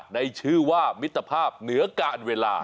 ในชื่อว่ามิตรภาพเหนือการเวลา